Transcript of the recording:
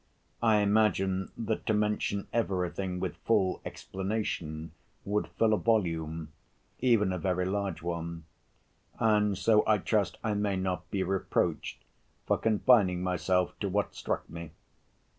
I imagine that to mention everything with full explanation would fill a volume, even a very large one. And so I trust I may not be reproached, for confining myself to what struck me.